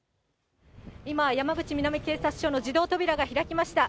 今、山口南警察署の自動扉が開きました。